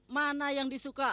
mana yang disuka